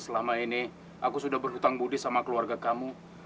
selama ini aku sudah berhutang budi sama keluarga kamu